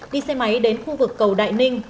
đi xe máy đến khu vực cầu đại ninh